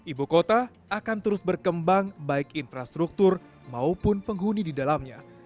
ibu kota akan terus berkembang baik infrastruktur maupun penghuni di dalamnya